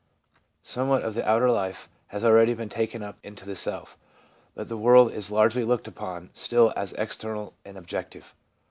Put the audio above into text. Somewhat of the outer life has already been taken up into the self, but the world is largely looked upon still as external and objective.